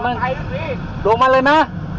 ลงมาเลยนะ